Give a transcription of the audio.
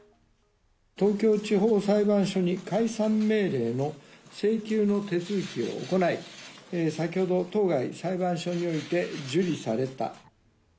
東京地方裁判所に解散命令の請求の手続きを行い、先ほど、当該裁判所において受理された。